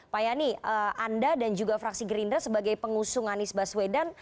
pak yani anda dan juga fraksi gerindra sebagai pengusung anies baswedan